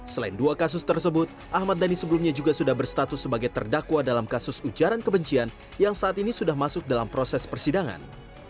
selain dua kasus tersebut ahmad dhani sebelumnya juga sudah berstatus sebagai terdakwa dalam kasus ujaran kebencian yang saat ini sudah masuk dalam proses persidangan